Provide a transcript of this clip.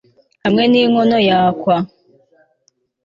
hamwe n'inkono ya kawa